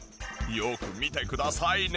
よーく見てください